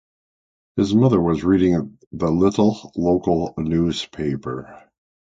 His mother was reading the little local newspaper.